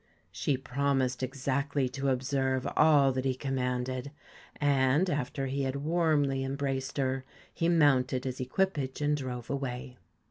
She promised exactly to observe all that he com manded, and, after he had warmly embraced her, he mounted his equipage and drove away.